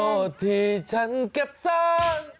ขอโทษที่ฉันเก็บซ่อน